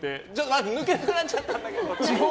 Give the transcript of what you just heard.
抜けなくなっちゃったんだけど！